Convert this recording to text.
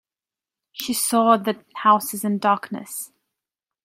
She saw the houses in darkness.